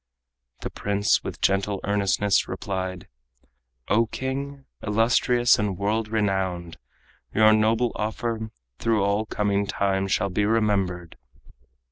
The prince with gentle earnestness replied: "O king, illustrious and world renowned! Your noble offer through all coming time Shall be remembered.